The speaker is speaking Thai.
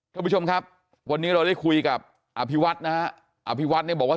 ท่านผู้ชมครับวันนี้เราได้คุยกับอภิวัฒน์นะฮะอภิวัฒน์เนี่ยบอกว่า